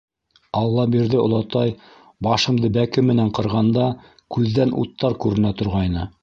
Аллабирҙе олатай башымды бәке менән ҡырғанда, күҙҙән уттар күренә торғайны.